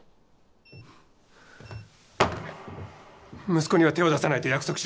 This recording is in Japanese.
息子には手を出さないと約束しろ。